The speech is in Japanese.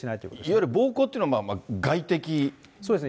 いわゆる暴行というのは外的。